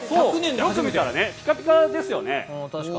よく見たらピカピカですよね。